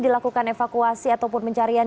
dilakukan evakuasi ataupun pencarian